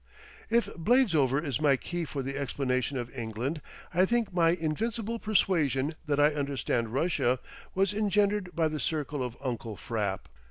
If Bladesover is my key for the explanation of England, I think my invincible persuasion that I understand Russia was engendered by the circle of Uncle Frapp.